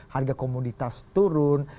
harga komunitas turun